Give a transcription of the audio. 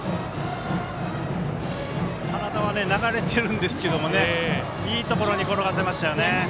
体は流れてるんですけどねいいところに転がせましたよね。